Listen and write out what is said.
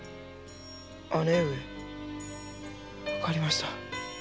姉上わかりました。